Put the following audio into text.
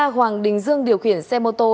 hoàng đình dương điều khiển xe mô tô